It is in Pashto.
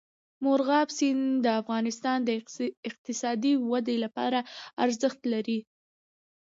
مورغاب سیند د افغانستان د اقتصادي ودې لپاره ارزښت لري.